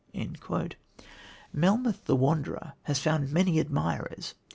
Melmoth the Wanderer has found many admirers.